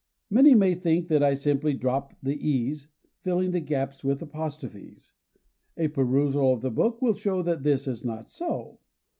Many may think that I simply "drop" the E's, filling the gaps with apostrophes. A perusal of the book will show that this is not so.